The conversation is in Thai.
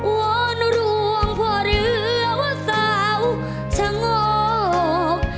วันร่วงพวงเหลืองสาวชะงอก